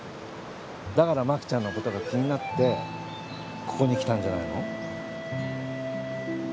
だから真紀ちゃんのことが気になってここに来たんじゃないの？